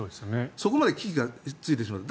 そこまで危機が続いてしまった。